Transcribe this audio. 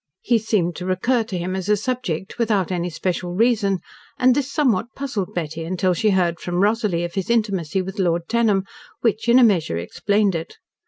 He seemed to recur to him as a subject, without any special reason, and this somewhat puzzled Betty until she heard from Rosalie of his intimacy with Lord Tenham, which, in a measure, explained it.